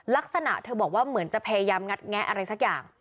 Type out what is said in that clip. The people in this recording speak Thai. ลักษณะเธอบอกว่าเหมือนจะพยายามงัดแงะอะไรสักอย่าง